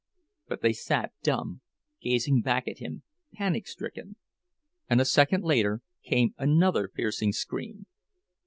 But they sat dumb, gazing back at him, panic stricken; and a second later came another piercing scream.